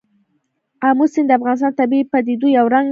آمو سیند د افغانستان د طبیعي پدیدو یو رنګ دی.